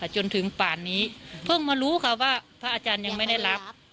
จนถึงป่านนี้เพิ่งมารู้ค่ะว่าพระอาจารย์ยังไม่ได้รับ